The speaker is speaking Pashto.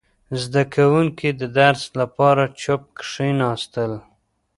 • زده کوونکي د درس لپاره چوپ کښېناستل.